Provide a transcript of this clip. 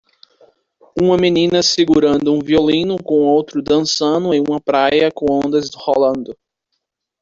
Uma menina segurando um violino com outro dançando em uma praia com ondas rolando.